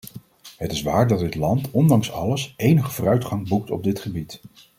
Het is waar dat dit land, ondanks alles, enige vooruitgang boekt op dit gebied.